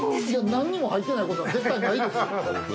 なんにも入ってない事は絶対ないですよ。